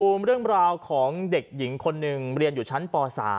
เรื่องราวของเด็กหญิงคนหนึ่งเรียนอยู่ชั้นป๓